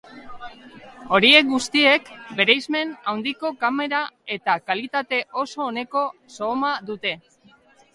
Horiek guztiek bereizmen handiko kamera eta kalitate oso oneko zooma dute.